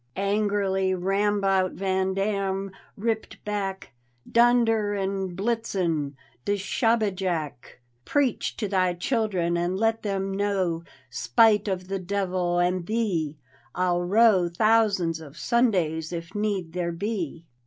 Angrily Rambout van Dam ripped back: "Dunder en Blitzen! du SchobbejakI Preach to thy children ! and let them know Spite of the duyvil and thee, I'll row Thousands of Sundays, if need there be.